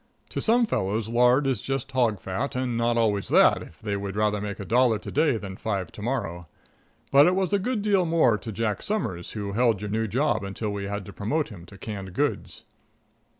To some fellows lard is just hog fat, and not always that, if they would rather make a dollar to day than five to morrow. But it was a good deal more to Jack Summers, who held your new job until we had to promote him to canned goods.